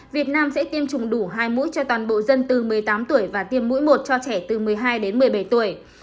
việt nam sẽ tiêm chủng đủ hai mũi cho toàn bộ dân từ một mươi tám tuổi và tiêm mũi một cho trẻ từ một mươi hai đến một mươi bảy tuổi